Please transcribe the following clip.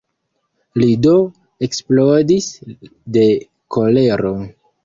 Li do eksplodis de kolero.